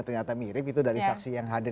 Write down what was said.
ternyata mirip itu dari saksi yang hadir